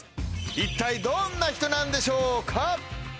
一体どんな人なんでしょうか？